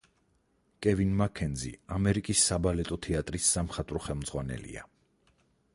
კევინ მაქენზი ამერიკის საბალეტო თეატრის სამხატვრო ხელმძღვანელია.